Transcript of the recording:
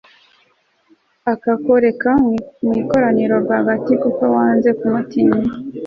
akakoreka mu ikoraniro rwagati, kuko wanze kumutinya